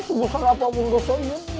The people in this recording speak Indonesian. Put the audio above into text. sebesar apapun dosa yan